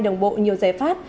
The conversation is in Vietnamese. đồng bộ nhiều giải pháp